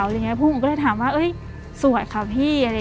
พวกหนูก็เลยถามว่าสวดค่ะพี่